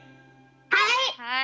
はい！